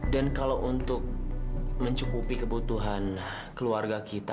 dan kalau untuk mencukupi kebutuhan keluarga kita